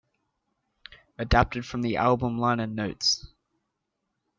Adapted from the album liner notes.